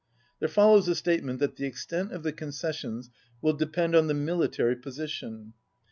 There follows a statement that the extent of the concessions will depend on the military position.